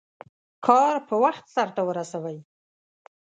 کار په وخت سرته ورسوئ.